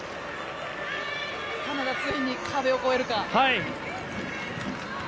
カナダ、ついに壁を越えるか。